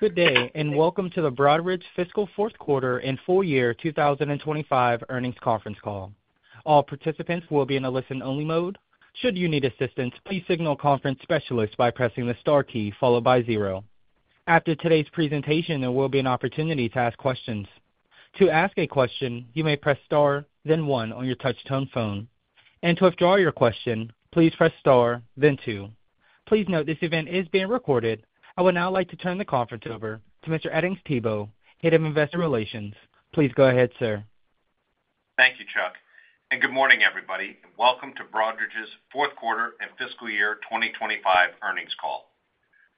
Good day and welcome to the Broadridge's fiscal fourth quarter and full year 2025 earnings conference call. All participants will be in a listen-only mode. Should you need assistance, please signal conference specialists by pressing the star key followed by zero. After today's presentation, there will be an opportunity to ask questions. To ask a question, you may press star then one on your touchtone phone and to withdraw your question, please press star then two. Please note this event is being recorded. I would now like to turn the conference over to Mr. Edings Thibault, Head of Investor Relations. Please go ahead, sir. Thank you, Chuck, and good morning, everybody, and welcome to Broadridge's fourth quarter and fiscal year 2025 earnings call.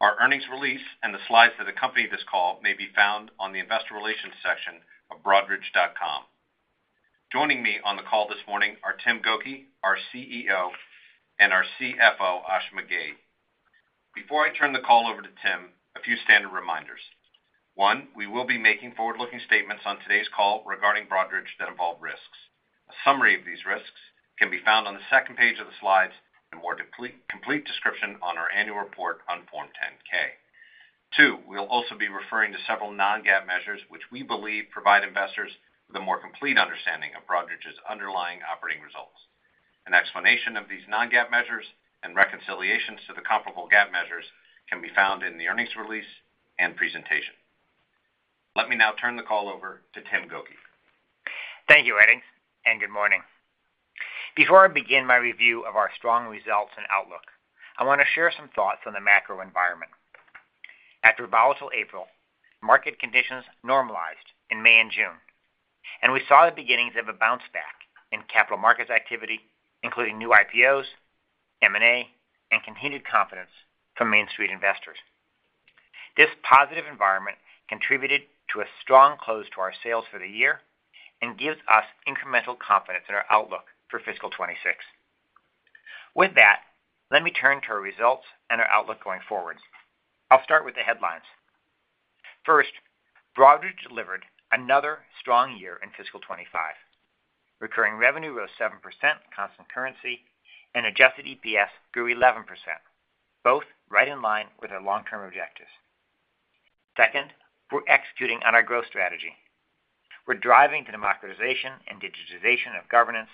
Our earnings release and the slides that accompany this call may be found on the Investor Relations section of broadridge.com. Joining me on the call this morning are Timothy Gokey, our CEO, and our CFO, Ashima Ghei. Before I turn the call over to Tim, a few standard reminders. One, we will be making forward-looking statements on today's call regarding Broadridge that involve risks. A summary of these risks can be found on the second page of the slides and a more complete description on our annual report on Form 10-K. Two, we'll also be referring to several non-GAAP measures, which we believe provide investors with a more complete understanding of Broadridge's underlying operating results. An explanation of these non-GAAP measures and reconciliations to the comparable GAAP measures can be found in the earnings release and presentation. Let me now turn the call over to Tim Gokey. Thank you, Edings, and good morning. Before I begin my review of our strong results and outlook, I want to share some thoughts on the macro environment. After a volatile April, market conditions normalized in May and June, and we saw the beginnings of a bounce back in capital markets activity, including new IPOs, M&A, and continued confidence from Main Street investors. This positive environment contributed to a strong close to our sales for the year and gives us incremental confidence in our outlook for fiscal 2026. With that, let me turn to our results and our outlook going forward. I'll start with the headlines. First, Broadridge delivered another strong year in fiscal 2025. Recurring revenue rose 7% constant currency, and adjusted EPS grew 11%, both right in line with our long-term objectives. Second, we're executing on our growth strategy. We're driving the democratization and digitization of governance,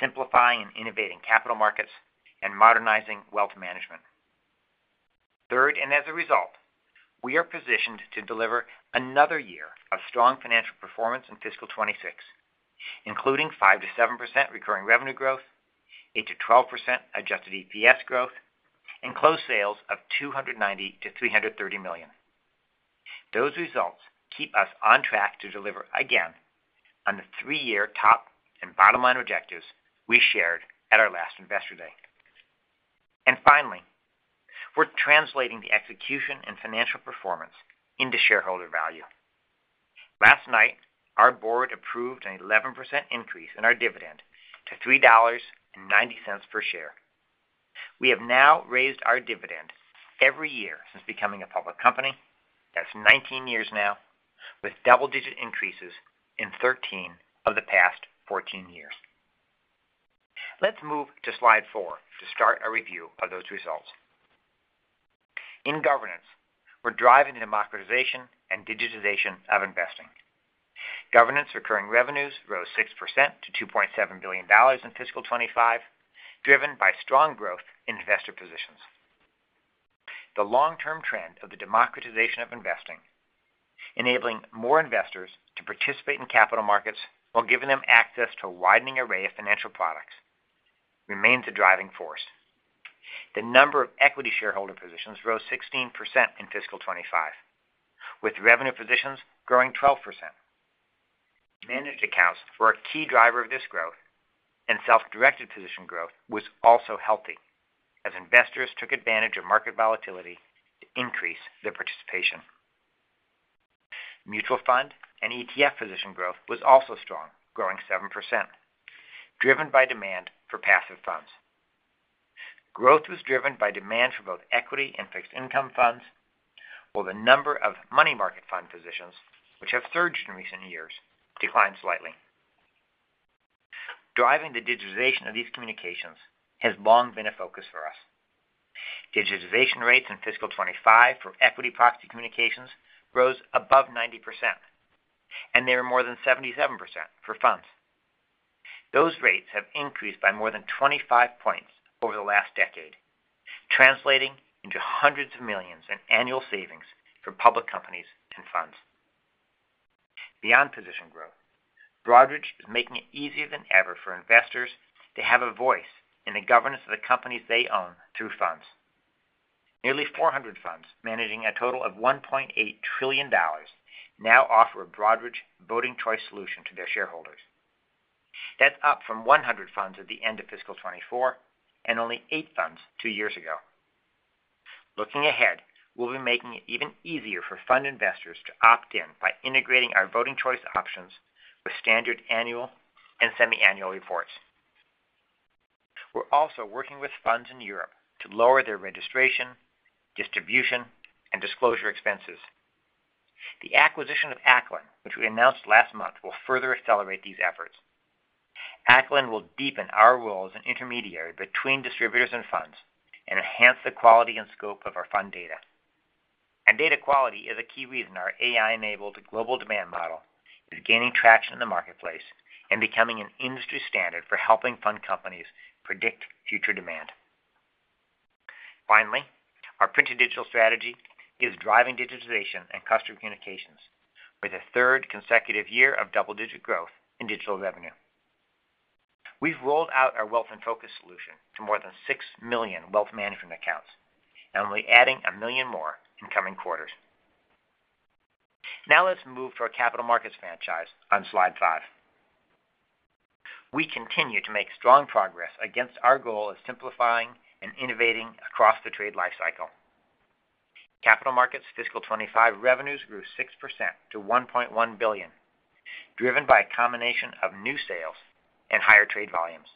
simplifying and innovating capital markets, and modernizing wealth management. Third, as a result, we are positioned to deliver another year of strong financial performance in fiscal 2026, including 5%-7% recurring revenue growth, 8%-12% adjusted EPS growth, and closed sales of $290 million-$330 million. Those results keep us on track to deliver again on the three-year top and bottom line objectives we shared at our last investor day. Finally, we're translating the execution and financial performance into shareholder value. Last night, our board approved an 11% increase in our dividend to $3.90 per share. We have now raised our dividend every year since becoming a public company. That's 19 years now, with double-digit increases in 13 of the past 14 years. Let's move to Slide 4 to start a review of those results. In governance, we're driving the democratization and digitization of investing. Governance recurring revenues rose 6% to $2.7 billion in fiscal 2025, driven by strong growth in investor positions. The long-term trend of the democratization of investing, enabling more investors to participate in capital markets while giving them access to a widening array of financial products, remains a driving force. The number of equity shareholder positions rose 16% in fiscal 2025, with revenue positions growing 12%. Managed accounts were a key driver of this growth, and self-directed position growth was also healthy as investors took advantage of market volatility to increase their participation. Mutual fund and ETF position growth was also strong, growing 7% driven by demand for passive funds. Growth was driven by demand for both equity and fixed income funds, while the number of money market fund positions, which have surged in recent years, declined slightly. Driving the digitization of these communications has long been a focus for us. Digitization rates in fiscal 2025 for equity proxy communications rose above 90% and they were more than 77% for funds. Those rates have increased by more than 25 points over the last decade, translating into hundreds of millions in annual savings for public companies and funds. Beyond position growth, Broadridge is making it easier than ever for investors to have a voice in the governance of the companies they own through funds. Nearly 400 funds managing a total of $1.8 trillion now offer a Broadridge Voting Choice solution to their shareholders. That's up from 100 funds at the end of fiscal 2024 and only eight funds two years ago. Looking ahead, we'll be making it even easier for fund investors to opt in by integrating our Voting Choice options with standard annual and semiannual reports. We're also working with funds in Europe to lower their registration, distribution, and disclosure expenses. The acquisition of Acolin, which we announced last month, will further accelerate these efforts. Acolin will deepen our role as an intermediary between distributors and funds and enhance the quality and scope of our fund data. Data quality is a key reason our AI-enabled global demand model is gaining traction in the marketplace and becoming an industry standard for helping fund companies predict future demand. Finally, our print and digital strategy is driving digitization in Customer Communications for the third consecutive year of double-digit growth in digital revenue. We've rolled out our Wealth in Focus solution to more than 6 million wealth management accounts and we're adding 1 million more in coming quarters. Now let's move to our Capital Markets franchise on Slide 5. We continue to make strong progress against our goal of simplifying and innovating across the trade life cycle. Capital Markets fiscal 2025 revenues grew 6% to $1.1 billion, driven by a combination of new sales and higher trade volumes.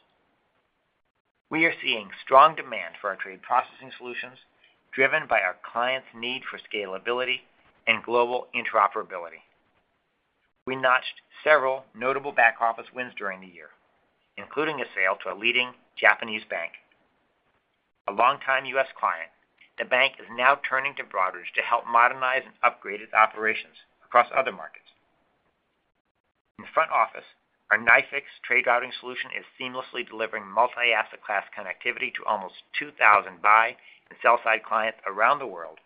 We are seeing strong demand for our trade processing solutions driven by our clients' need for scalability and global interoperability. We notched several notable back office wins during the year, including a sale to a leading Japanese bank, a longtime U.S. client. The bank is now turning to Broadridge to help modernize and upgrade its operations across other markets. In the front office, our NYFIX trade routing solution is seamlessly delivering multi-asset class connectivity to almost 2,000 buy and sell side clients around the world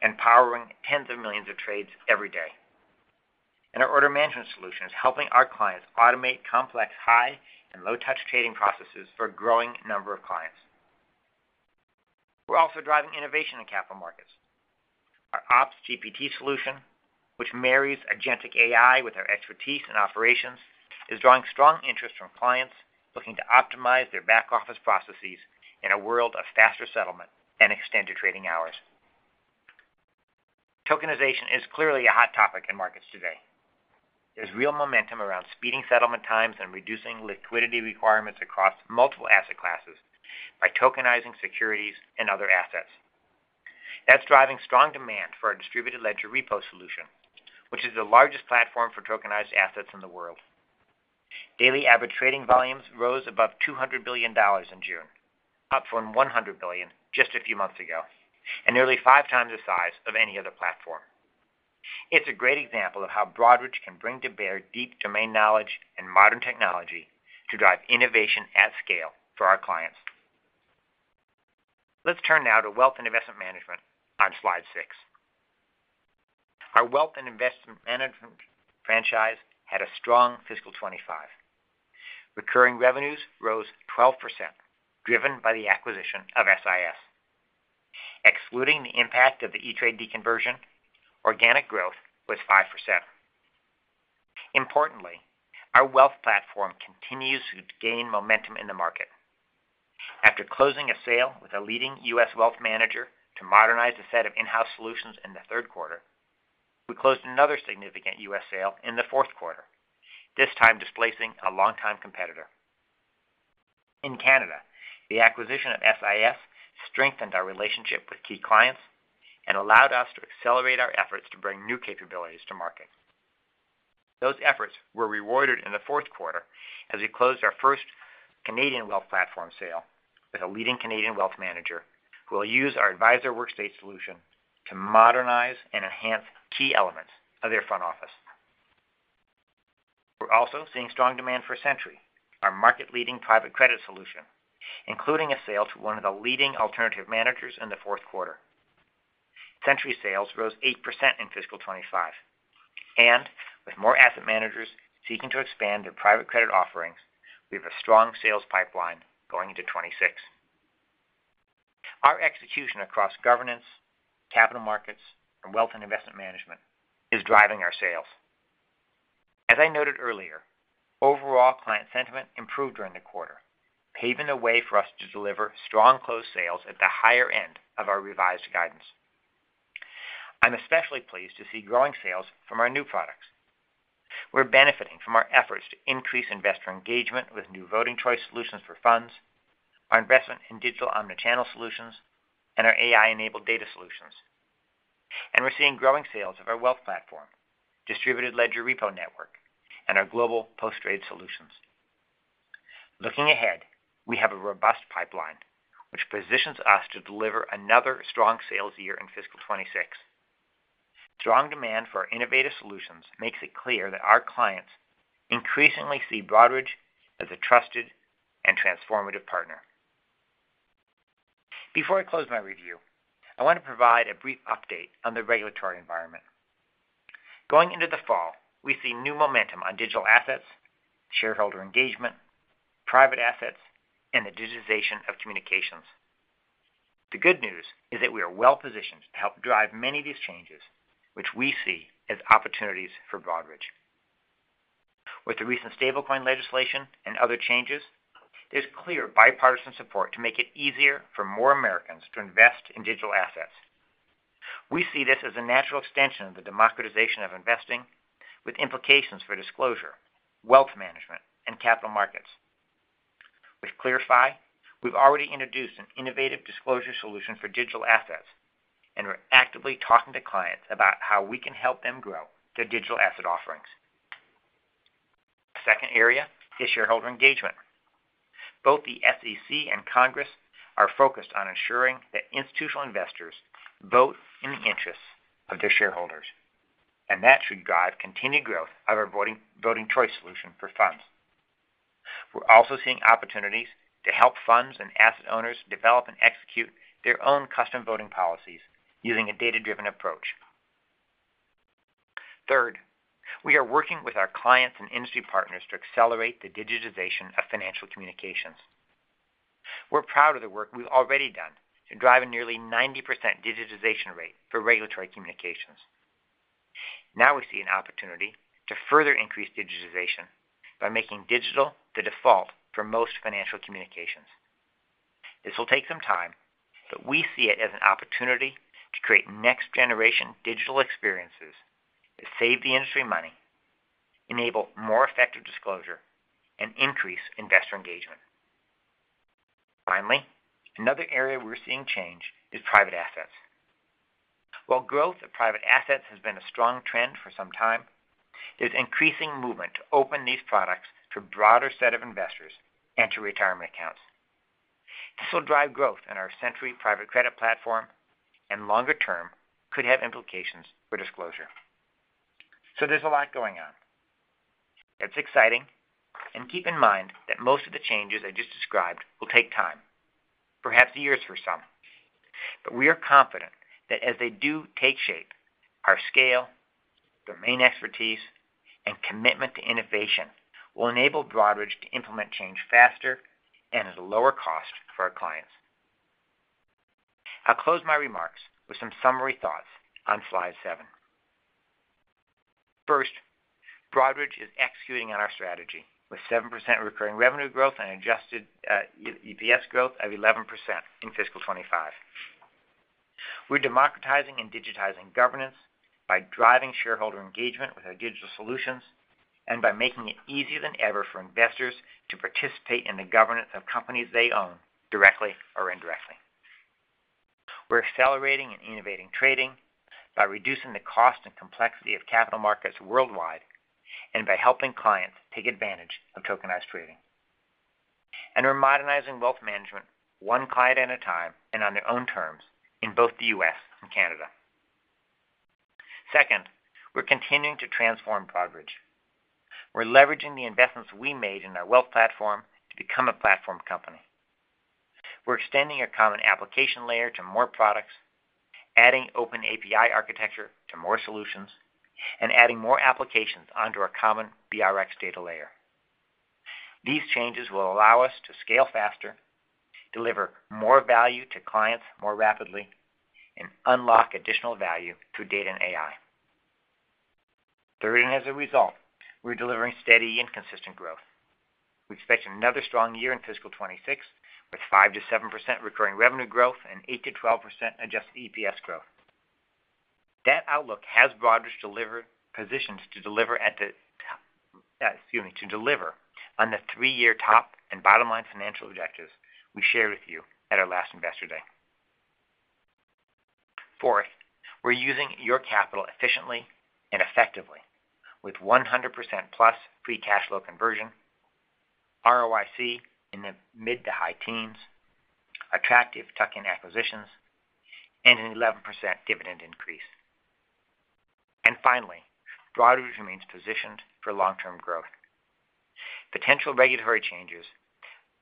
and powering tens of millions of trades every day. Our order management solution is helping our clients automate complex high and low touch trading processes for a growing number of clients. We're also driving innovation in capital markets. Our OPS GPT solution, which marries agentic AI with our expertise and operations, is drawing strong interest from clients looking to optimize their back office processes in a world of faster settlement and extended trading hours. Tokenization is clearly a hot topic in markets today. There's real momentum around speeding settlement times and reducing liquidity requirements across multiple asset classes by tokenizing securities and other assets. That is driving strong demand for our Distributed Ledger Repo solution, which is the largest platform for tokenized assets in the world. Daily average trading volumes rose above $200 billion in June, up from $100 billion just a few months ago and nearly 5x the size of any other platform. It's a great example of how Broadridge can bring to bear deep domain knowledge and modern technology to drive innovation at scale for our clients. Let's turn now to wealth and investment management, on Slide 6. Our wealth and investment management franchise had a strong fiscal 2025. Recurring revenues rose 12% driven by the acquisition of SIS. Excluding the impact of the E*TRADE deconversion, organic growth was 5%. Importantly, our wealth platform continues to gain momentum in the market. After closing a sale with a leading U.S. wealth manager to modernize a set of in-house solutions in the third quarter, we closed another significant U.S. sale in the fourth quarter, this time displacing a longtime competitor. I Canada, the acquisition of SIS strengthened our relationship with key clients and allowed us to accelerate our efforts to bring new capabilities to market. Those efforts were rewarded in the fourth quarter as we closed our first Canadian wealth platform sale with a leading Canadian wealth manager who will use our Advisor Workspace solution to modernize and enhance key elements of their front office. We're also seeing strong demand for Sentry, our market-leading private credit solution, including a sale to one of the leading alternative managers in the fourth quarter. Sentry sales rose 8% in fiscal 2025, and with more asset managers seeking to expand their private credit offerings, we have a strong sales pipeline going into 2026. Our execution across governance, capital markets, and wealth and investment management is driving our sales. As I noted earlier, overall client sentiment improved during the quarter, paving the way for us to deliver strong closed sales. At the higher end of our revised guidance, I'm especially pleased to see growing sales from our new products. We're benefiting from our efforts to increase investor engagement with new Voting Choice solutions for funds, our investment in digital omnichannel solutions, and our AI-enabled data solutions. We're seeing growing sales of our wealth platform, Distributed Ledger Repo network, and our global post-trade solutions. Looking ahead, we have a robust pipeline which positions us to deliver another strong sales year in fiscal 2026. Strong demand for our innovative solutions makes it clear that our clients increasingly see Broadridge as a trusted and transformative partner. Before I close my review, I want to provide a brief update on the regulatory environment. Going into the fall, we see new momentum on digital assets, shareholder engagement, private assets, and the digitization of communications. The good news is that we are well positioned to help drive many of these changes, which we see as opportunities for Broadridge. With the recent stablecoin legislation and other changes, there's clear bipartisan support to make it easier for more Americans to invest in digital assets. We see this as a natural extension of the democratization of investing with implications for disclosure, wealth management, and capital markets. With ClearFi, we've already introduced an innovative disclosure solution for digital assets, and we're actively talking to clients about how we can help them grow their digital asset offerings. The second area is shareholder engagement. Both the SEC and Congress are focused on ensuring that institutional investors vote in the interests of their shareholders, and that should drive continued growth of our Voting Choice solution for funds. We're also seeing opportunities to help funds and asset owners develop and execute their own custom Voting policies using a data-driven approach. Third, we are working with our clients and industry partners to accelerate the digitization of financial communications. We're proud of the work we've already done to drive a nearly 90% digitization rate for regulatory communications. Now we see an opportunity to further increase digitization by making digital the default for most financial communications. This will take some time, but we see it as an opportunity to create next-generation digital experiences that save the industry money, enable more effective disclosure, and increase investor engagement. Finally, another area we're seeing change is private assets. While growth of private assets has been a strong trend for some time, there's increasing movement to open these products to a broader set of investors and to retirement accounts. This will drive growth in our Sentry private credit platform and, longer-term, could have implications for disclosure. There's a lot going on. It's exciting. Keep in mind that most of the changes I just described will take time, perhaps years for some, but we are confident that as they do take shape, our scale, domain expertise, and commitment to innovation will enable Broadridge to implement change faster and at a lower cost for our clients. I'll close my remarks with some summary thoughts on Slide 7. First, Broadridge Financial Solutions is executing on our strategy with 7% recurring revenue growth and adjusted EPS growth of 11% in fiscal 2025. We're democratizing and digitizing governance by driving shareholder engagement with our digital solutions and by making it easier than ever for investors to participate in the governance of companies they own directly or indirectly. We're accelerating and innovating trading by reducing the cost and complexity of capital markets worldwide and by helping clients take advantage of tokenized trading. We're modernizing wealth management one client at a time and on their own terms in both the U.S. and Canada. Second, we're continuing to transform Broadridge. We're leveraging the investments we made in our Wealth Platform and to become a platform company. We're extending a common application layer to more products, adding open API architecture to more solutions, and adding more applications onto our common BRX data layer. These changes will allow us to scale faster, deliver more value to clients more rapidly, and unlock additional value through data and AI. Third, and as a result, we're delivering steady and consistent growth. We expect another strong year in fiscal 2026 with 5%-7% recurring revenue growth and 8%-12% adjusted EPS growth. That outlook has Broadridge positioned to deliver on the three-year top and bottom line financial objectives we shared with you at our last investor day. Fourth, we're using your capital efficiently and effectively with 100%+ free cash flow conversion, ROIC in the mid to high teens, attractive tuck-in acquisitions, and an 11% dividend increase. Finally, Broadridge Financial Solutions remains positioned for long-term growth. Potential regulatory changes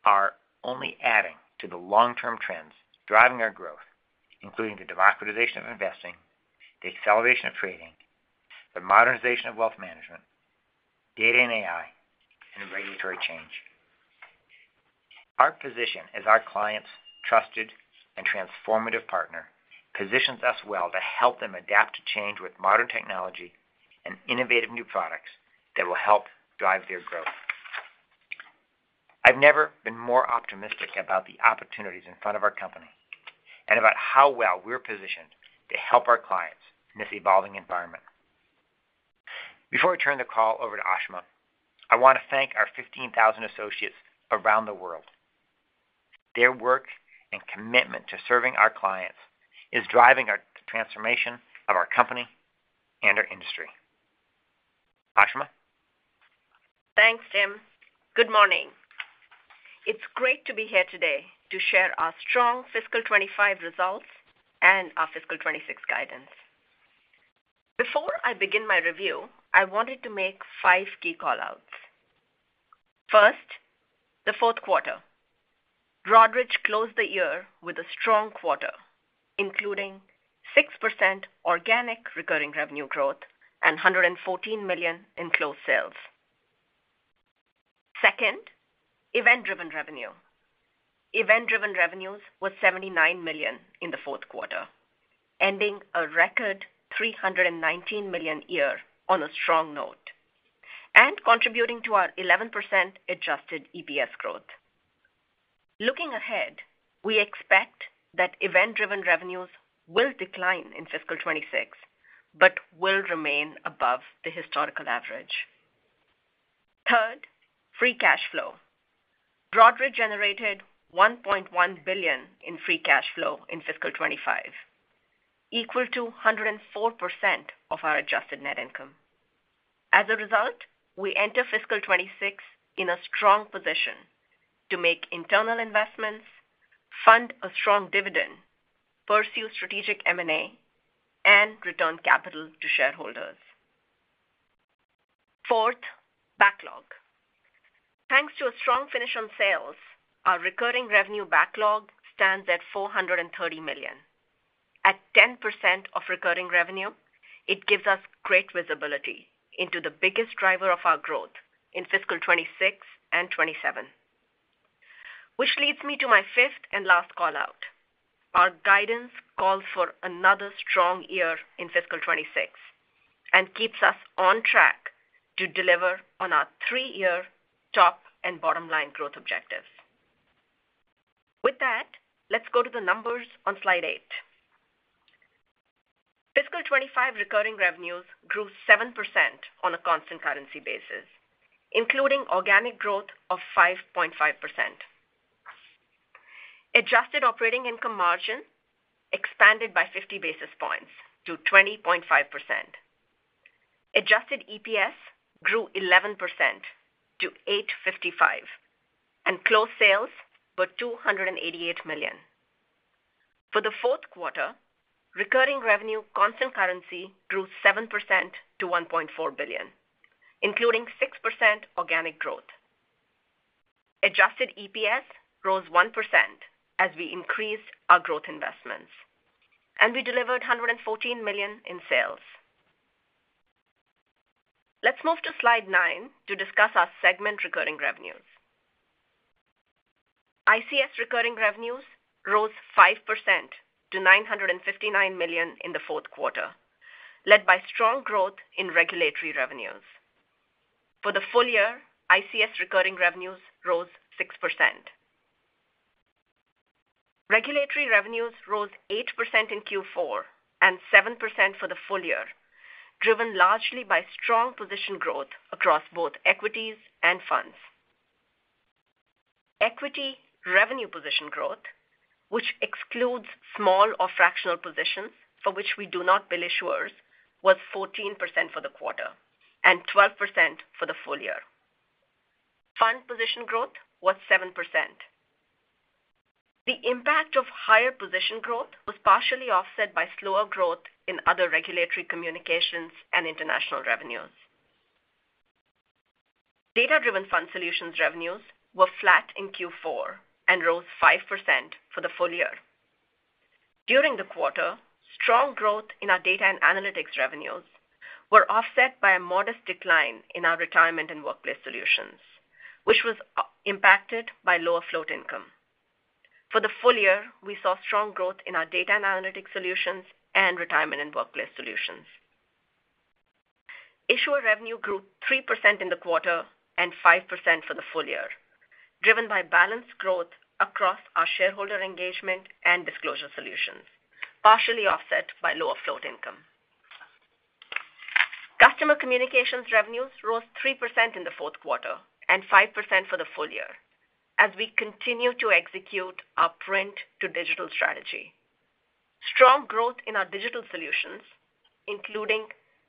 are only adding to the long-term trends driving our growth, including the democratization of investing, the acceleration of trading, the modernization of wealth management, data and AI, and regulatory change. Our position as our clients' trusted and transformative partner positions us well to help them adapt to change with modern technology and innovative new products that will help drive their growth. I've never been more optimistic about the opportunities in front of our company and about how well we're positioned to help our clients in this evolving environment. Before I turn the call over to Ashima, I want to thank our 15,000 associates around the world. Their work and commitment to serving our clients is driving the transformation of our company and our industry. Ashima. Thanks, Tim. Good morning. It's great to be here today to share our strong fiscal 2025 results and our fiscal 2026 guidance. Before I begin my review, I wanted to make five key call outs. First, the fourth quarter. Broadridge closed the year with a strong quarter, including 6% organic recurring revenue growth and $114 million in closed sales. Second, event-driven revenues. Event-driven revenues was $79 million in the fourth quarter, ending a record $319 million year on a strong note and contributing to our 11% adjusted EPS growth. Looking ahead, we expect that event-driven revenues will decline in fiscal 2026 but will remain above the historical average. Third, free cash flow. Broadridge generated $1.1 billion in free cash flow in fiscal 2025, equal to 104% of our adjusted net income. As a result, we enter fiscal 2026 in a strong position to make internal investments, fund a strong dividend, pursue strategic M&A, and return capital to shareholders. Fourth, backlog. Thanks to a strong finish on sales, our recurring revenue backlog stands at $430 million. At 10% of recurring revenue, it gives us great visibility into the biggest driver of our growth in fiscal 2026 and 2027, which leads me to my fifth and last call out. Our guidance calls for another strong year in fiscal 2026 and keeps us on track to deliver on our three-year top and bottom line growth objectives. With that, let's go to the numbers on slide 8. Fiscal 2025 recurring revenues grew 7% on a constant currency basis, including organic growth of 5.5%. Adjusted operating income margin expanded by 50 basis points to 20.5%. Adjusted EPS grew 11% to $8.55 and closed sales were $288 million. For the fourth quarter, recurring revenue constant currency grew 7% to $1.4 billion, including 6% organic growth. Adjusted EPS rose 1% as we increased our growth investments and we delivered $114 million in sales. Let's move to slide 9 to discuss our segment recurring revenues. ICS recurring revenues rose 5% to $959 million in the fourth quarter, led by strong growth in regulatory revenues. For the full year, ICS recurring revenues rose 6%. Regulatory revenues rose 8% in Q4 and 7% for the full year, driven largely by strong position growth across both equities and funds. Equity revenue position growth, which excludes small or fractional positions for which we do not bill issuers, was 14% for the quarter and 12% for the full year. Fund position growth was 7%. The impact of higher position growth was partially offset by slower growth in other regulatory, communications, and international revenues. Data-driven fund solutions revenues were flat in Q4 and rose 5% for the full year. During the quarter, strong growth in our data and analytics revenues were offset by a modest decline in our retirement and workplace solutions, which was impacted by lower float income. For the full year, we saw strong growth in our data and analytics solutions and retirement and workplace solutions. Issuer revenue grew 3% in the quarter and 5% for the full year, driven by balanced growth across our shareholder engagement and disclosure solutions, partially offset by lower float income. Customer communications revenues rose 3% in the fourth quarter and 5% for the full year as we continue to execute our print to digital strategy. Strong growth in our digital solutions, including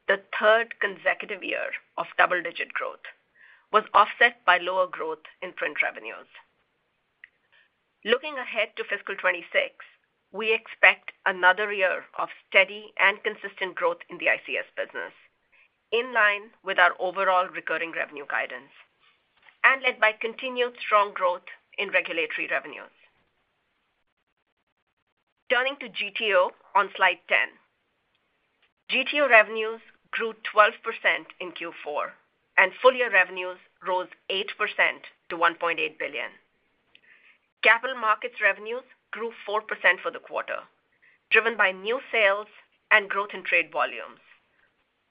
the third consecutive year of double-digit growth, was offset by lower growth in print revenues. Looking ahead to fiscal 2026, we expect another year of steady and consistent growth in the ICS business in line with our overall recurring revenue guidance and led by continued strong growth in regulatory revenues. Turning to GTO on slide 10, GTO revenues grew 12% in Q4 and full year revenues rose 8% to $1.8 billion. Capital markets revenues grew 4% for the quarter, driven by new sales and growth in trade volumes,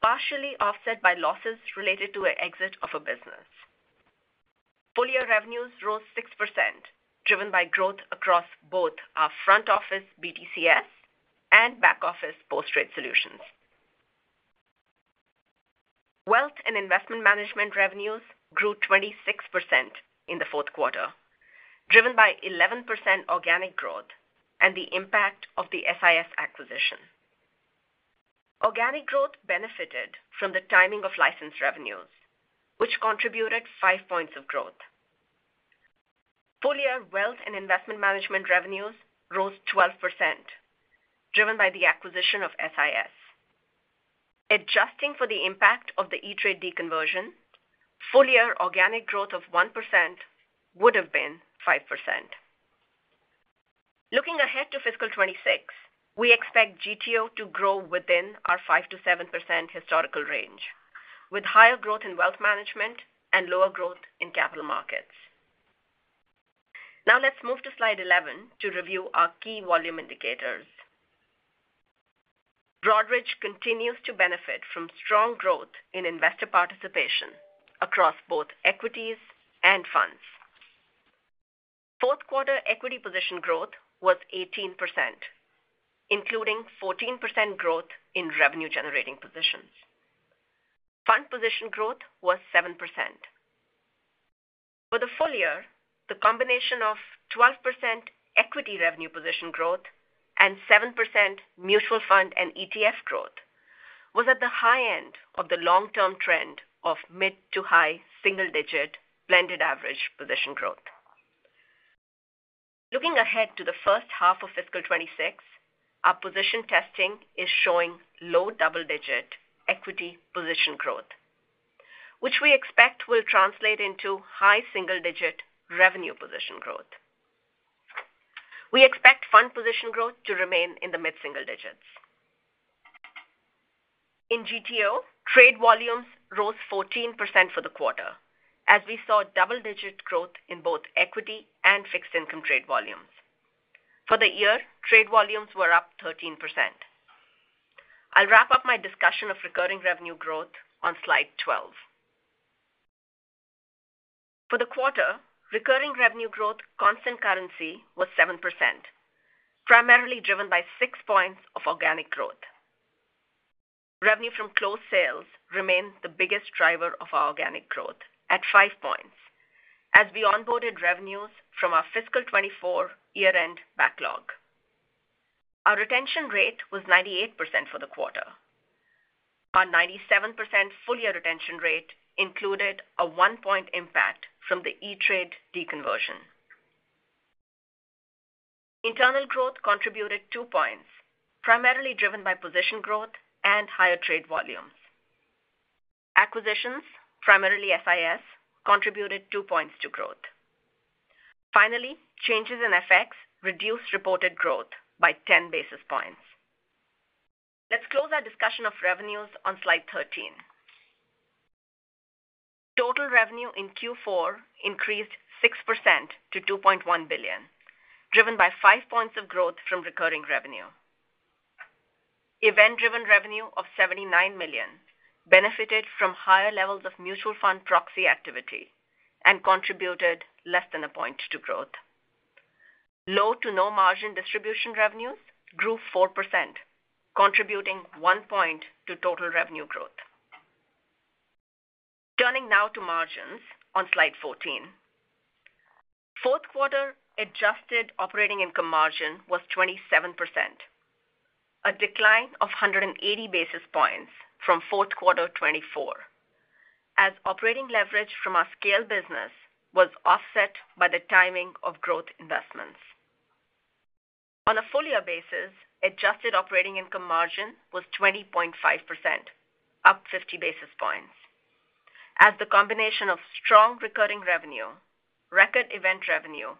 partially offset by losses related to an exit of a business. Full year revenues rose 6%, driven by growth across both our front office BTCs and back office post trade solutions. Wealth and investment management revenues grew 26% in the fourth quarter, driven by 11% organic growth and the impact of the SIS acquisition. Organic growth benefited from the timing of license revenues, which contributed five points of growth. Full year wealth and Iivestment management revenues rose 12%, driven by the acquisition of SIS. Adjusting for the impact of the E*TRADE deconversion, full year organic growth of 1% would have been 5%. Looking ahead to fiscal 2026, we expect GTO to grow within our 5%-7% historical range, with higher growth in wealth management and lower growth in capital markets. Now let's move to slide 11 to review our key volume indicators. Broadridge continues to benefit from strong growth in investor participation across both equities and funds. Fourth quarter equity position growth was 18%, including 14% growth in revenue generating positions. Fund position growth was 7%. For the full year the combination of 12% equity revenue position growth and 7% mutual fund and ETF growth was at the high end of the long-term trend of mid to high single digit blended average position growth. Looking ahead to the first half of fiscal 2026, our position testing is showing low double digit equity position growth which we expect will translate into high single digit revenue position growth. We expect fund position growth to remain in the mid single digits. In GTO, trade volumes rose 14% for the quarter as we saw double digit growth in both equity and fixed income trade volumes. For the year, trade volumes were up 13%. I'll wrap up my discussion of recurring revenue growth on slide 12. For the quarter, recurring revenue growth constant currency was 7% primarily driven by 6 points of organic growth. Revenue from closed sales remained the biggest driver of organic growth at 5 points as we onboarded revenues from our fiscal 2024 year end backlog. Our retention rate was 98% for the quarter. Our 97% full year retention rate included a 1 point impact from the E*TRADE deconversion. Internal growth contributed 2 points primarily driven by position growth and higher trade volume. Acquisitions, primarily FIS, contributed 2 points to growth. Finally, changes in FX reduced reported growth by 10 basis points. Let's close our discussion of revenues on slide 13. Total revenue in Q4 increased 6% to $2.1 billion driven by 5 points of growth from recurring revenue. Event driven revenue of $79 million benefited from higher levels of mutual fund proxy activity and contributed less than a point to growth. Low to no margin distribution revenues grew 4% contributing 1 point to total revenue growth. Turning now to margins on slide 14. Fourth quarter adjusted operating income margin was 27%, a decline of 180 basis points from fourth quarter 2024 as operating leverage from our scale business was offset by the timing of growth investments. On a full year basis, adjusted operating income margin was 20.5%, up 50 basis points as the combination of strong recurring revenue, record event revenue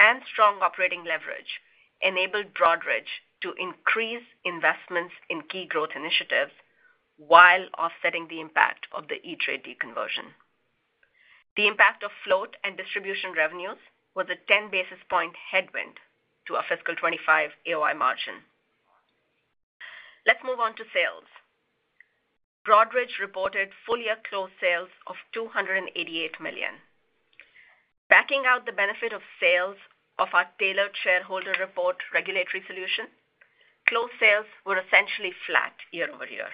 and strong operating leverage enabled Broadridge to increase investments in key growth initiatives while offsetting the impact of the E*TRADE deconversion. The impact of float and distribution revenues was a 10 basis point headwind to our fiscal 2025 AOI margin. Let's move on to sales. Broadridge reported full year closed sales of $288 million, backing out the benefit of sales of our tailored shareholder report regulatory solution. Closed sales were essentially flat year-over-year.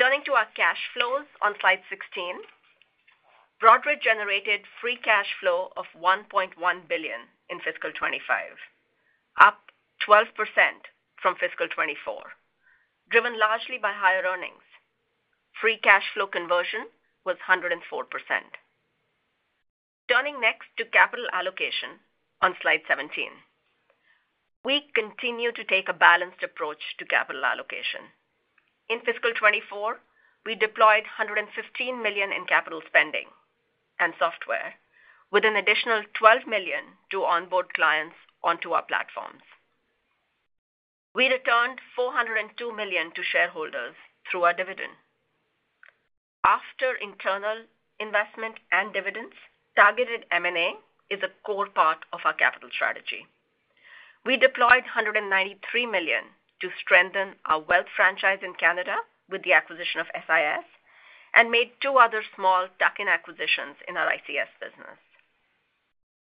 Turning to our cash flows on slide 16, Broadridge generated free cash flow of $1.1 billion in fiscal 2025, up 12% from fiscal 2024, driven largely by higher earnings. Free cash flow conversion was 104%. Turning next to capital allocation on slide 17, we continue to take a balanced approach to capital allocation. In fiscal 2024 we deployed $115 million in capital spending and software with an additional $12 million to onboard clients onto our platforms. We returned $402 million to shareholders through our dividend after internal investment and dividends. Targeted M&A is a core part of our capital strategy. We deployed $193 million to strengthen our wealth franchise in Canada with the acquisition of SIS and made two other small tuck-in acquisitions in our ICS business.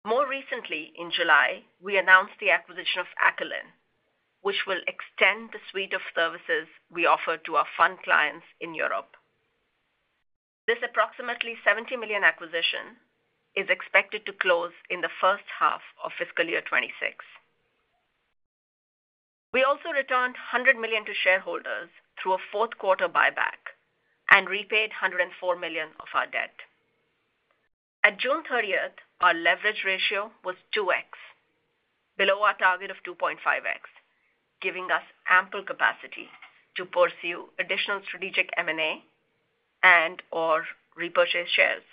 More recently, in July we announced the acquisition of Acolin, which will extend the suite of services we offer to our fund clients in Europe. This approximately $70 million acquisition is expected to close in the first half of fiscal year 2026. We also returned $100 million to shareholders through a fourth quarter buyback and repaid $104 million of our debt. At June 30th, our leverage ratio was 2x, below our target of 2.5x, giving us ample capacity to pursue additional strategic M&A and or repurchase shares.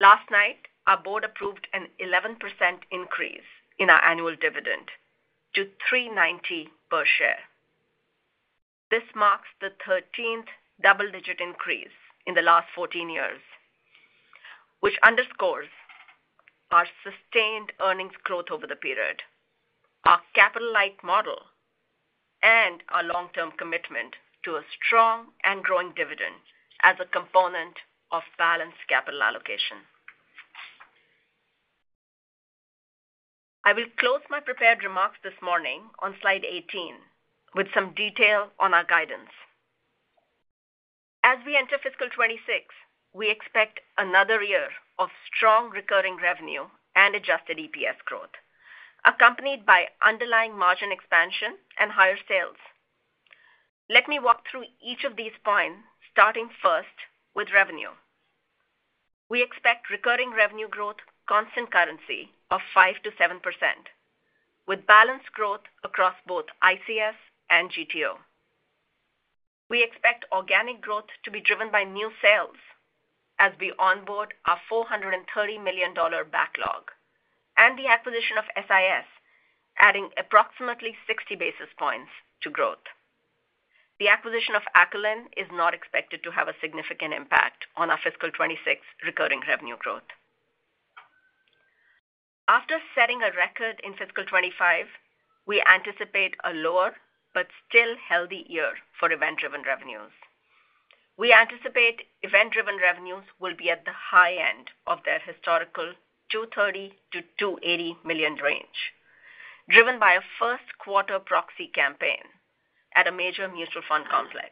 Last night our board approved an 11% increase in our annual dividend to $3.90 per share. This marks the 13th dividend double digit increase in the last 14 years, which underscores our sustained earnings growth over the period, our capital-light model, and our long-term commitment to a strong and growing dividend as a component of balanced capital allocation. I will close my prepared remarks this morning on slide 18 with some detail on our guidance. As we enter fiscal 2026, we expect another year of strong recurring revenue and adjusted EPS growth accompanied by underlying margin expansion and higher sales. Let me walk through each of these points, starting first with revenue. We expect recurring revenue growth, constant currency of 5%-7% with balanced growth across both ICS and GTO. We expect organic growth to be driven by new sales as we onboard our $430 million backlog and the acquisition of SIS, adding approximately 60 basis points to growth. The acquisition of Acolin is not expected to have a significant impact on our fiscal 2026 recurring revenue growth. After setting a record in fiscal 2025, we anticipate a lower but still healthy year for event-driven revenues. We anticipate event-driven revenues will be at the high end of their historical $230 million-$280 million range, driven by a first quarter proxy campaign at a major mutual fund complex.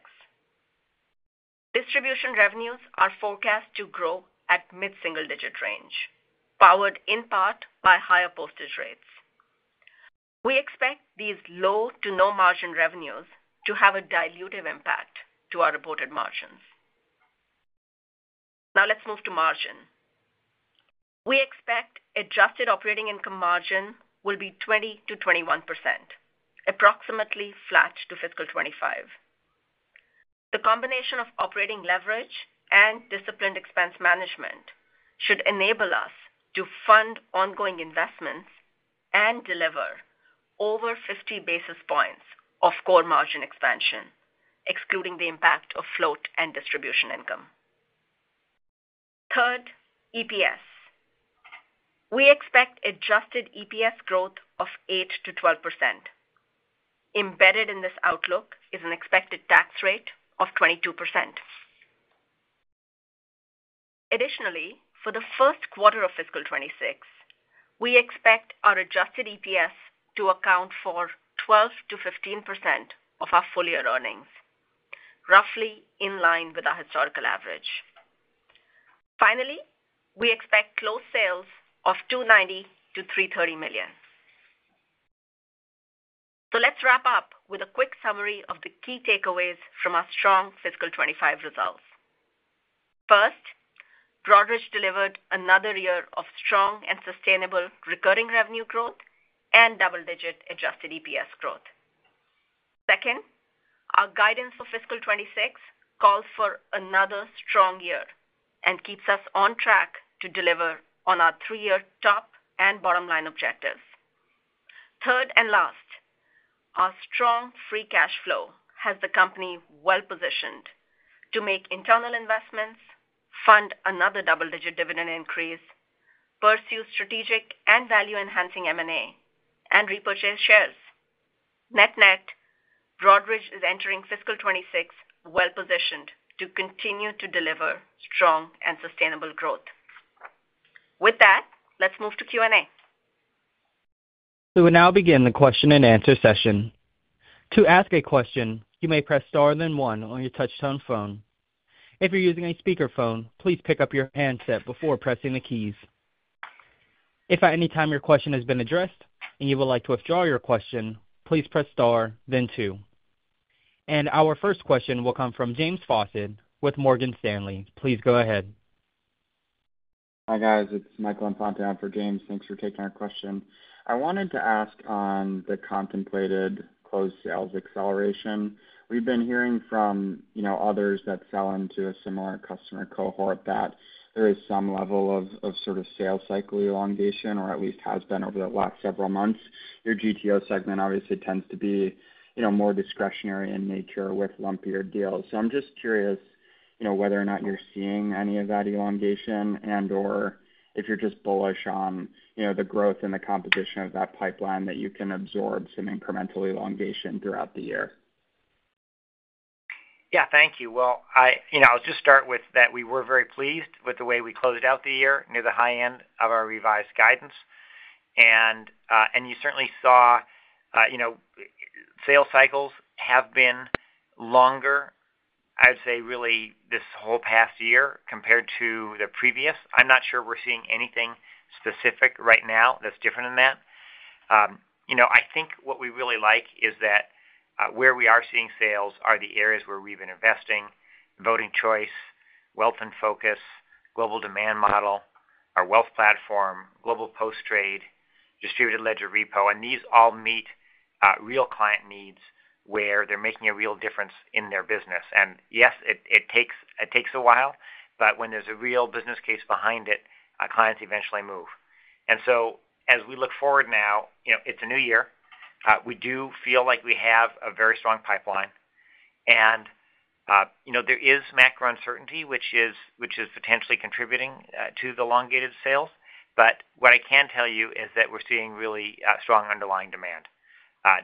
Distribution revenues are forecast to grow at a mid-single-digit range, powered in part by higher postage rates. We expect these low to no margin revenues to have a dilutive impact to our reported margins. Now let's move to margin. We expect adjusted operating income margin will be 20%-21%, approximately flat to fiscal 2025. The combination of operating leverage and disciplined expense management should enable us to fund ongoing investments and deliver over 50 basis points of core margin expansion, excluding the impact of float and distribution income. Third, EPS. We expect adjusted EPS growth of 8%-12%. Embedded in this outlook is an expected tax rate of 22%. Additionally, for the first quarter of fiscal 2026, we expect our adjusted EPS to account for 12%-15% of our full year earnings, roughly in line with our historical average. Finally, we expect closed sales of $290 million-$330 million. Let's wrap up with a quick summary of the key takeaways from our strong fiscal 2025 results. First, Broadridge delivered another year of strong and sustainable recurring revenue growth and double-digit adjusted EPS growth. Second, our guidance for fiscal 2026 calls for another strong year and keeps us on track to deliver on our three-year top and bottom line objectives. Third and last, our strong free cash flow has the company well positioned to make internal investments, fund another double-digit dividend increase, pursue strategic and value-enhancing M&A, and repurchase shares. Net-net, Broadridge is entering fiscal 2026 well positioned to continue to deliver strong and sustainable growth. With that, let's move to Q&A. We will now begin the question-and-answer session. To ask a question, you may press star then one on your touchtone phone. If you're using a speakerphone, please pick up your handset before pressing the keys. If at any time your question has been addressed and you would like to withdraw your question, please press star then two. Our first question will come from James Fawcett with Morgan Stanley. Please go ahead. Hi guys, it's Michael Infante on for James, thanks for taking our question. I wanted to ask on the contemplated closed sales acceleration. We've been hearing from others that sell into a similar customer cohort that there is some level of sort of sales cycle elongation, or at least has been over the last several months. Your GTO segment obviously tends to be more discretionary in nature with lumpier deals. I'm just curious whether or not you're seeing any of that elongation and or if you're just bullish on the growth and the competition of that pipeline, that you can absorb some incremental elongation throughout the year. Thank you. I'll just start with that. We were very pleased with the way we closed out the year near the high end of our revised guidance. You certainly saw sales cycles have been longer, I would say, really this whole past year compared to the previous. I'm not sure we're seeing anything specific right now that's different than that. I think what we really like is that where we are seeing sales are the areas where we've been investing: Voting Choice, wealth in Focus, global demand model, our wealth platform, global post trade, Distributed Ledger Repo. These all meet real client needs where they're making a real difference in their business. Yes, it takes a while, but when there's a real business case behind it, clients eventually move. As we look forward now, it's a new year, we do feel like we have a very strong pipeline. There is macro uncertainty which is potentially contributing to the elongated sales. What I can tell you is that we're seeing really strong underlying demand.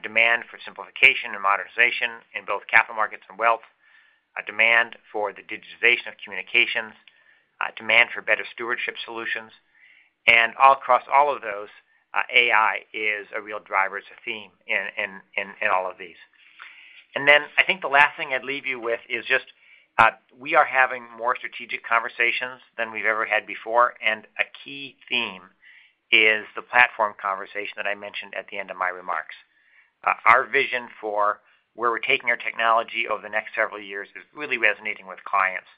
Demand for simplification and modernization in both capital markets and wealth, demand for the digitization of communications, demand for better stewardship solutions. Across all of those, AI is a real driver. It's a theme in all of these. I think the last thing I'd leave you with is just we are having more strategic conversations than we've ever had before. A key theme is the platform conversation that I mentioned at the end of my remarks. Our vision for where we're taking our technology over the next several years is really resonating with clients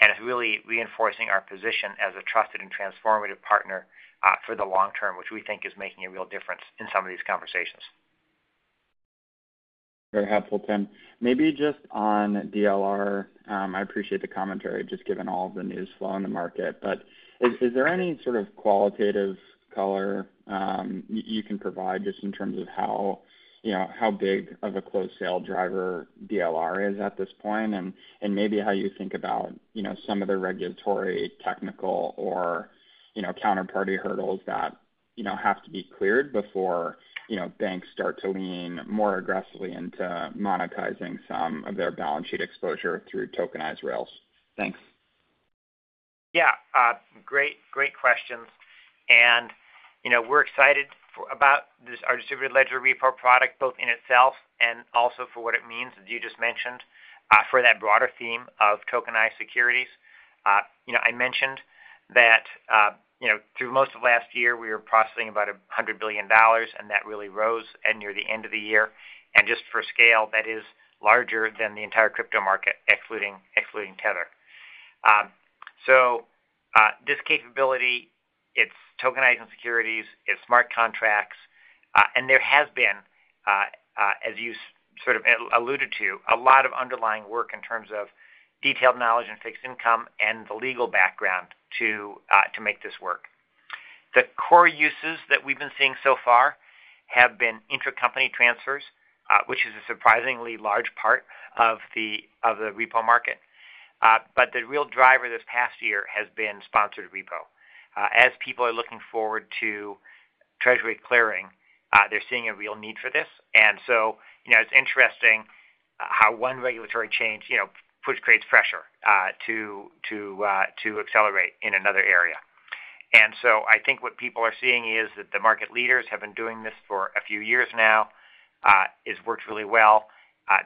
and it's really reinforcing our position as a trusted and transformative partner for the long-term, which we think is making a real difference in some of these conversations. Very helpful. Tim, maybe just on DLR. I appreciate the commentary, just given all the news flow in the market. Is there any sort of qualitative color you can provide just in terms of how big of a closed sale driver DLR is at this point, and maybe how you think about some of the regulatory, technical, or counterparty hurdles that have to be cleared before banks start to lean more aggressively into monetizing some of their balance sheet exposure through tokenized rails. Thanks. Yeah, great questions. We're excited about our Distributed Ledger Repo product both in itself and also for what it means, as you just mentioned, for that broader theme of tokenized securities. I mentioned that through most of last year we were processing about $100 billion and that really rose near the end of the year. Just for scale, that is larger than the entire crypto market, excluding tether. This capability, it's tokenizing securities, it's smart contracts. There has been, as you sort of alluded to, a lot of underlying work in terms of detailed knowledge and fixed income and the legal background to make this work. The core uses that we've been seeing so far have been intra company transfers, which is a surprisingly large part of the repo market. The real driver this past year has been sponsored repo. As people are looking forward to treasury clearing, they're seeing a real need for this. It's interesting how one regulatory change creates pressure to accelerate in another area. I think what people are seeing is that the market leaders have been doing this for a few years now. It's worked really well.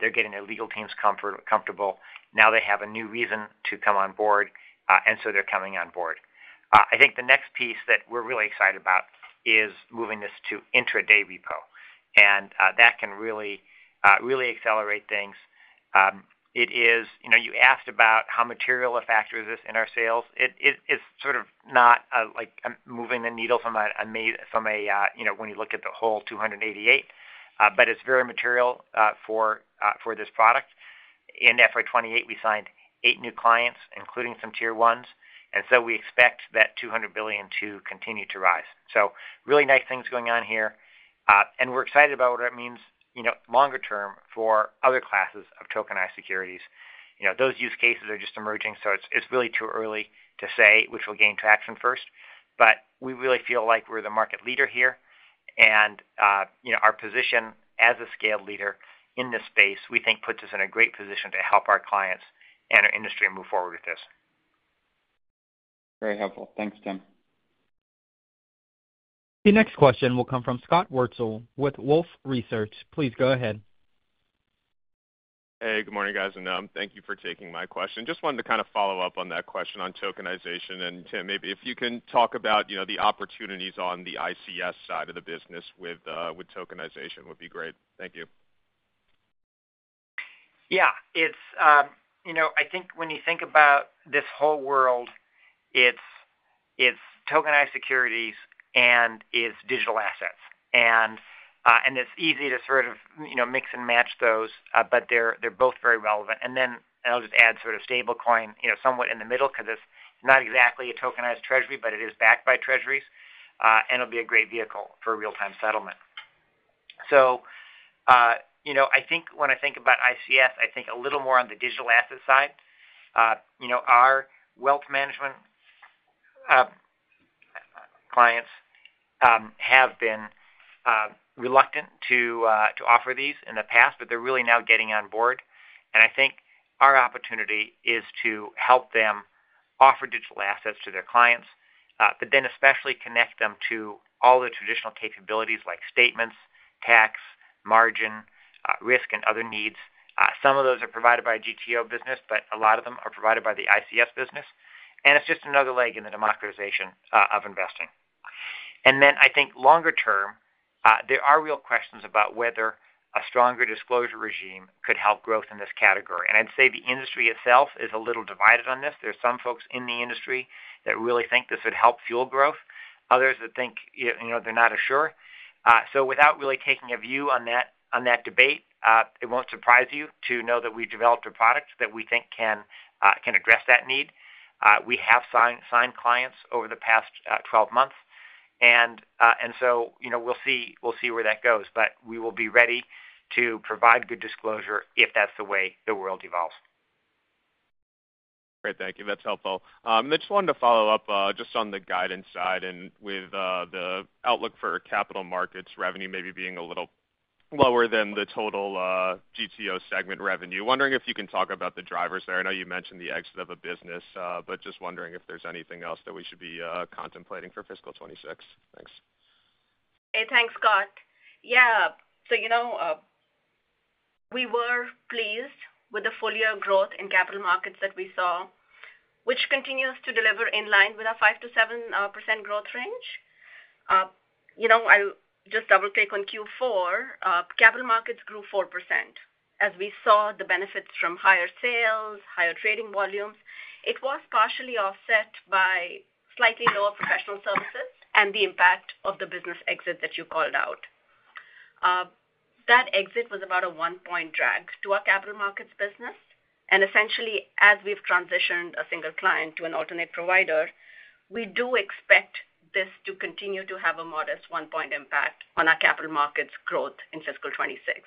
They're getting their legal teams comfortable, now they have a new reason to come on board. They're coming on board. I think the next piece that we're really excited about is moving this to intraday repo. That can really, really accelerate things. You asked about how material a factor is this in our sales. It's sort of not like moving the needle from a, you know, when you look at the whole $288 billion, but it's very material for this product. In FY 2028 we signed eight new clients, including some tier ones and so we expect that $200 billion to continue to rise. Really nice things going on here and we're excited about what it means longer-term for other classes of tokenized securities. Those use cases are just emerging, so it's really too early to say which will gain traction first. We really feel like we're the market leader here. Our position as a scaled leader in this space we think puts us in a great position to help our clients and our industry move forward with this. Very helpful. Thanks, Tim. The next question will come from Scott Wurtzel with Wolfe Research. Please go ahead. Hey, good morning guys, and thank you for taking my question. Just wanted to kind of follow up on that question on tokenization. Tim, maybe if you can talk about the opportunities on the ICS side of the business with tokenization, would be great. Thank you. Yeah, it's, you know, I think when you think about this whole world, it's tokenized securities and it's digital assets and it's easy to sort of mix and match those, but they're both very relevant. I'll just add sort of stablecoin, you know, somewhat in the middle because it's not exactly a tokenized treasury, but it is backed by treasuries and it'll be a great vehicle for real time settlement. I think when I think about ICS, I think a little more on the digital asset side. Our wealth management clients have been reluctant to offer these in the past, but they're really now getting on board. I think our opportunity is to help them offer digital assets to their clients, but then especially connect them to all the traditional capabilities like statements, tax, margin, risk, and other needs. Some of those are provided by the GTO business, but a lot of them are provided by the ICS business. It's just another leg in the democratization of investing. I think longer-term, there are real questions about whether a stronger disclosure regime could help growth in this category. I'd say the industry itself is a little divided on this. There are some folks in the industry that really think this would help fuel growth, others that think, you know, they're not sure. Without really taking a view on that debate, it won't surprise you to know that we've developed a product that we think can address that need. We have signed clients over the past 12 months and we'll see where that goes. We will be ready to provide good disclosure if that's the way the world evolves. Great, thank you. That's helpful. I just wanted to follow up just on the guidance side and with the outlook for capital markets, revenue maybe being a little lower than the total GTO segment revenue. Wondering if you can talk about the drivers there. I know you mentioned the exit of a business, but just wondering if there's anything else that we should be contemplating for fiscal 2026. Thanks. Hey, thanks, Scott. Yeah, we were pleased with the full year growth in capital markets that we saw, which continues to deliver in line with our 5%-7% growth range. I'll just double click on Q4. Capital markets grew 4% as we saw the benefits from higher sales, higher trading volumes. It was partially offset by slightly lower professional services and the impact of the business exit that you called out. That exit was about a 1 point drag to our capital markets business. Essentially, as we've transitioned a single client to an alternate provider, we do expect this to continue to have a modest 1 point impact on our capital markets growth in fiscal 2026,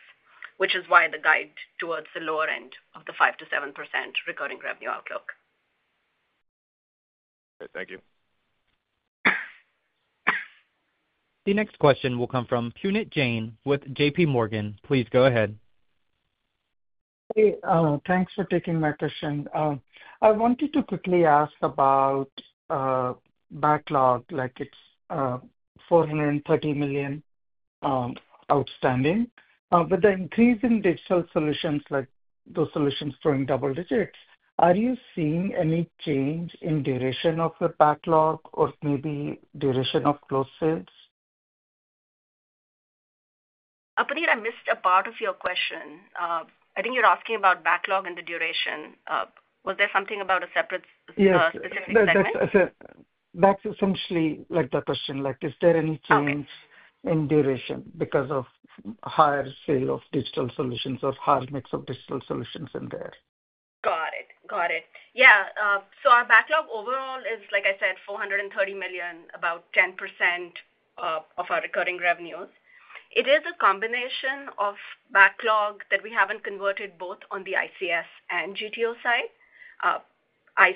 which is why the guide is towards the lower end of the 5%-7% recurring revenue outlook. Thank you. The next question will come from Puneet Jain with JPMorgan. Please go ahead. Hey, thanks for taking my question. I wanted to quickly ask about backlog, like it's $430 million outstanding. With the increase in digital solutions, like those solutions growing double digits, are you seeing any change in duration of the backlog or maybe duration of close sales? I missed a part of your question. I think you're asking about backlog and the duration. Was there something about a separate? That's essentially the question, is there any change in duration because of higher sale of digital solutions or higher mix of digital solutions in there? Got it, got it. Yeah. Our backlog overall is, like I said, $430 million, about 10% of our recurring revenues. It is a combination of backlog that we haven't converted both on the ICS and GTO side. I'd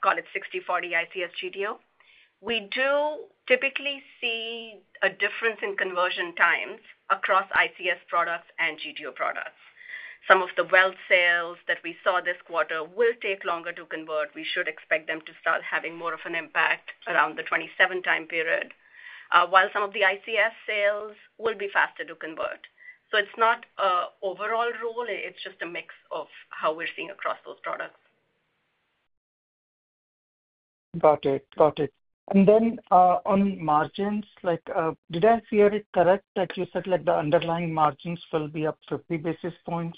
call it 60/40 ICS/GTO. We do typically see a difference in conversion times across ICS products and GTO products. Some of the wealth sales that we saw this quarter will take longer to convert. We should expect them to start having more of an impact around the 2027 time period, while some of the ICS sales will be faster to convert. It's not an overall rule, it's just a mix of how we're seeing across those products. Got it, got it. On margin, did I hear it correct that you said the underlying margins will be up 50 bps,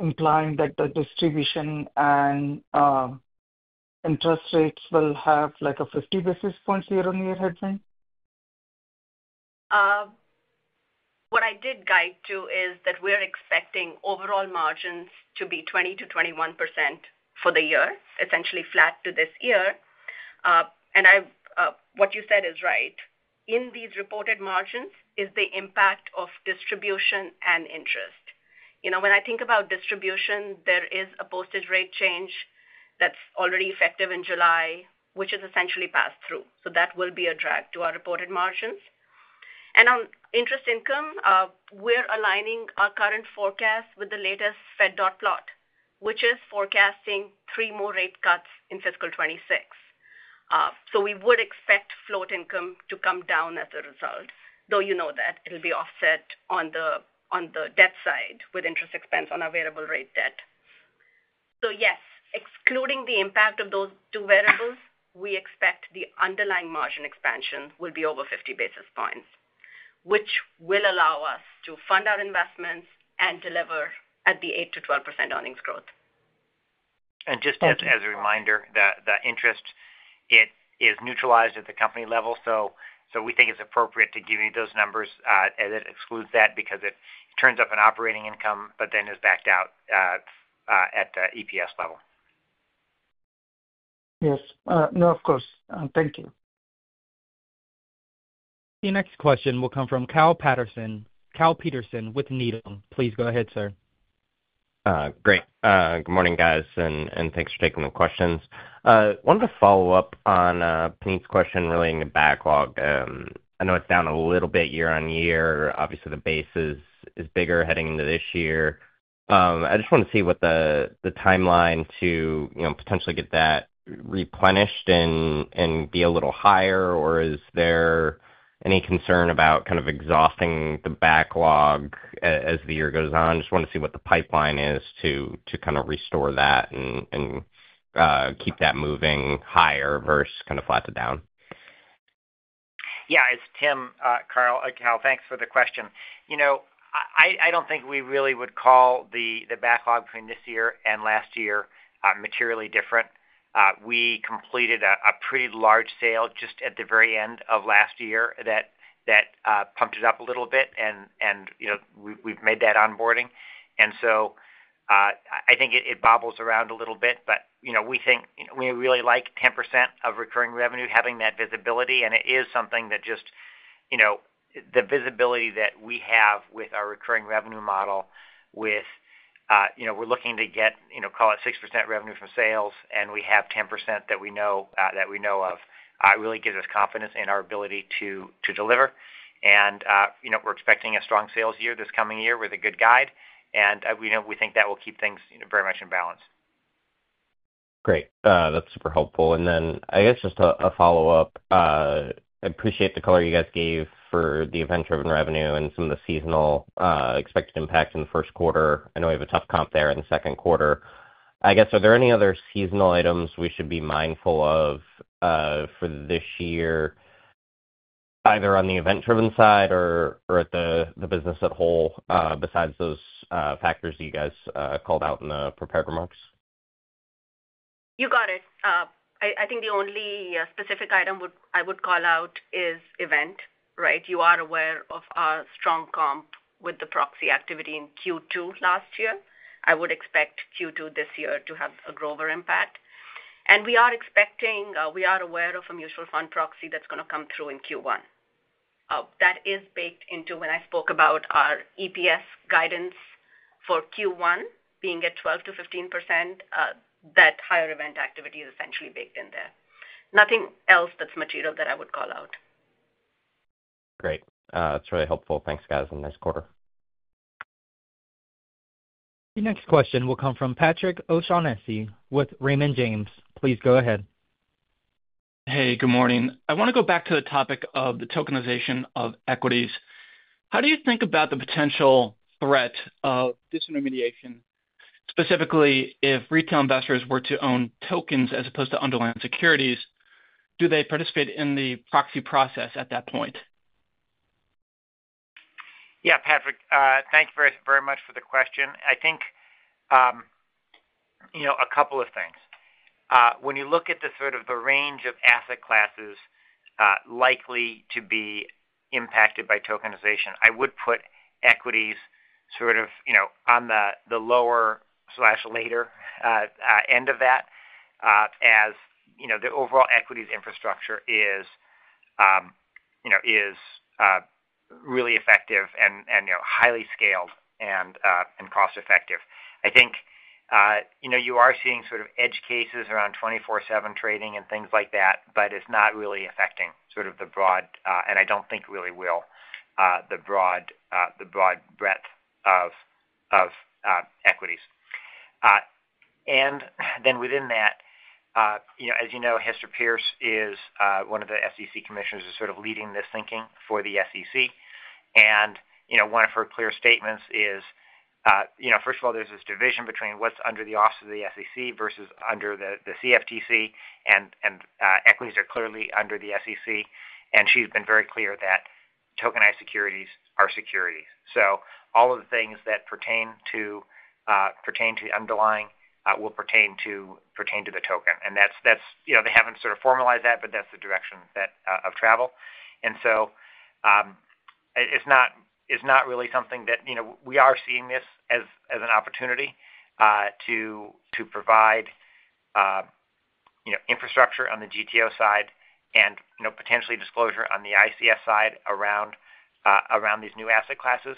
implying that the distribution and interest rates will have a 50 bps year-on-year headline? What I did guide to is that we're expecting overall margins to be 20%-21% for the year, essentially flat to this year. What you said is right, in these reported margins is the impact of distribution and interest. When I think about distribution, there is a postage rate change that's already effective in July, which is essentially passed through, so that will be a drag to our reported margins. On interest income, we're aligning our current forecast with the latest Fed dot plot, which is forecasting three more rate cuts in fiscal 2026. We would expect float income to come down as a result, though you know that it will be offset on the debt side with interest expense on our variable rate debt. Yes, excluding the impact of those two variables, we expect the underlying margin expansion will be over 50 basis points, which will allow us to fund our investments and deliver at the 8%-12% earnings growth. Just as a reminder, the interest is neutralized at the company level. We think it's appropriate to give you those numbers, and it excludes that because it turns up in operating income but then is backed out at the EPS level. Yes, of course. Thank you. The next question will come from Kyle Peterson with Needham & Company. Please go ahead, sir. Great. Good morning guys and thanks for taking the questions. Wanted to follow up on Puneet's question relating to backlog. I know it's down a little bit year on year. Obviously the basis is bigger heading into this year. I just want to see what the timeline to potentially get that replenished be a little higher, or is there any concern about kind of exhausting the backlog as the year goes on? Just want to see what the pipeline is to kind of restore that and keep that moving higher versus kind of flat to down. Yeah, it's Tim, Kyle, thanks for the question. I don't think we really would call the backlog between this year and last year materially different. We completed a pretty large sale just at the very end of last year that pumped it up a little bit and we've made that onboarding and I think it bobbles around a little bit. We really like 10% of recurring revenue having that visibility and it is something that just the visibility that we have with our recurring revenue model with we're looking to get, call it, 6% revenue from sales and we have 10% that we know of. It really gives us confidence in our ability to deliver and we're expecting a strong sales year this coming year with a good guide and we think that will keep things very much in balance. Great, that's super helpful. I guess just a follow up. I appreciate the color you guys gave for the event-driven revenue and some of the seasonal expected impact in the first quarter. I know we have a tough comp there in the second quarter. I guess, are there any other seasonal items we should be mindful of for this year either on the event-driven side or at the business as a whole besides those factors you guys called out in the prepared remarks. You got it. I think the only specific item I would call out is event. You are aware of our strong comp with the proxy activity in Q2 last year. I would expect Q2 this year to have a grower impact, and we are expecting, we are aware of a mutual fund proxy that's going to come through in Q1 that is baked in. When I spoke about our EPS guidance for Q1 being at 12%-15%, that higher event activity is essentially baked in there. Nothing else that's material that I would call out. Great. It's really helpful. Thanks, guys, and nice quarter. The next question will come from Patrick O'Shaughnessy with Raymond James. Please go ahead. Hey, good morning. I want to go back to the topic of the tokenization of equities. How do you think about the potential threat of disintermediation, specifically if retail investors were to own tokens as opposed to underlying securities? Do they participate in the proxy process at that point? Yeah, Patrick, thank you very, very much for the question. I think, you know, a couple of things when you look at the sort of the range of asset classes likely to be impacted by tokenization, I would put equities sort of, you know, on the lower/later end of that. As you know, the overall equities infrastructure is really effective and highly scaled and cost effective. I think you are seeing sort of edge cases around 24/7 trading and things like that. It's not really affecting the broad, and I don't think really will, the broad breadth of equities. Within that, as you know, Hester Peirce is one of the SEC commissioners who's leading this thinking for the SEC. One of her clear statements is, first of all, there's this division between what's under the office of the SEC versus under the CFTC, and equities are clearly under the SEC. She's been very clear that tokenized securities are securities, so all of the things that pertain to the underlying will pertain to the token. They haven't formalized that, but that's the direction of travel. It's not really something that we are seeing as an opportunity to provide infrastructure on the GTO side and potentially disclosure on the ICS side around these new asset classes,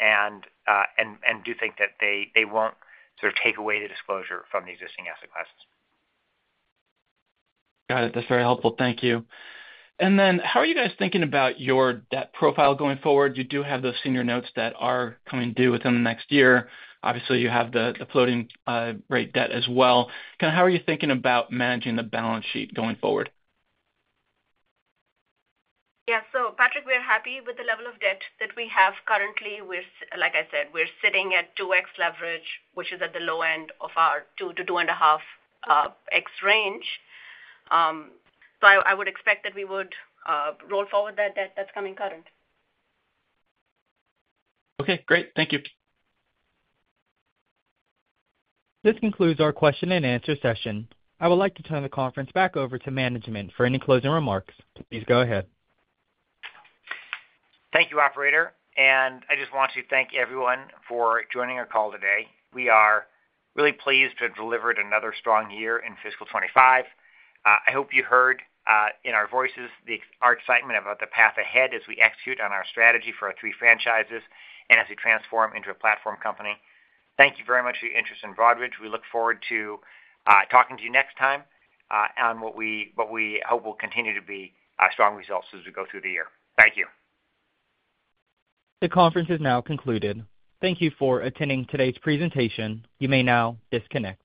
and do think that they won't take away the disclosure from the existing asset classes. Got it. That's very helpful, thank you. How are you guys thinking about your debt profile going forward? You do have those senior notes that are coming due within the next year. Obviously, you have the floating rate debt as well. How are you thinking about managing the balance sheet going forward? Yeah. Patrick, we're happy with the level of debt that we have currently. Like I said, we're sitting at 2x leverage, which is at the low end of our 2x-2.5x range. I would expect that we would roll forward that debt that's coming current. Okay, great. Thank you. This concludes our question-and-answer session. I would like to turn the conference back over to management for any closing remarks. Please go ahead. Thank you, operator. I just want to thank everyone for joining our call today. We are really pleased to have delivered another strong year in fiscal 2025. I hope you heard in our voices our excitement about the path ahead as we execute on our strategy for our three franchises and as we transform into a platform company. Thank you very much for your interest in Broadridge. We look forward to talking to you next time on what we hope will continue to be strong results as we go through the year. Thank you. The conference is now concluded. Thank you for attending today's presentation. You may now disconnect.